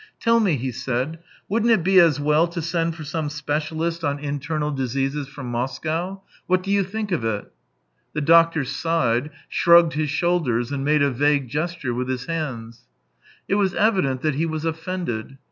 " Tell me," he said, " wouldn't it be as well to THREE YEARS i8i send for some specialist on internal diseases from Moscow ? What do you think of it ?" The doctor sighed, shrugged his shoulders, and made a vague gesture with his hands. It was evident that he was offended.